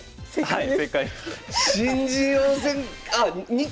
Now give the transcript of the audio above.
はい。